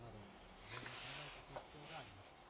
事前に考えておく必要があります。